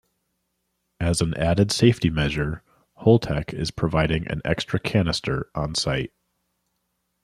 As an added safety measure, Holtec is providing an extra canister on site.